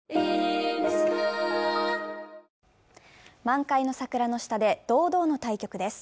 満開の桜の下で堂々の対局です。